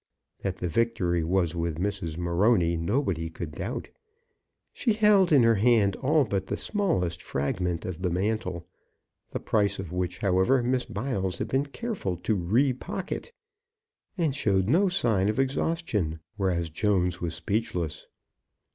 That the victory was with Mrs. Morony nobody could doubt. She held in her hand all but the smallest fragment of the mantle, the price of which, however, Miss Biles had been careful to repocket, and showed no sign of exhaustion, whereas Jones was speechless.